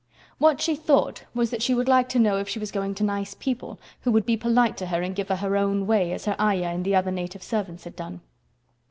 What she thought was that she would like to know if she was going to nice people, who would be polite to her and give her her own way as her Ayah and the other native servants had done.